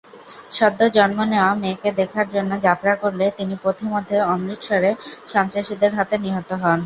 সদ্য জন্ম নেওয়া মেয়েকে দেখার জন্য যাত্রা করলে তিনি পথিমধ্যে অমৃতসরে সন্ত্রাসীদের হাতে নিহত হন।